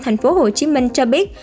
tp hcm cho biết